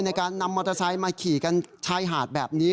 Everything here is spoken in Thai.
ในการนำมอเตอร์ไซค์มาขี่กันชายหาดแบบนี้